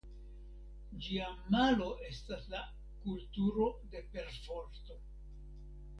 Ĝia malo estas la "kulturo de perforto".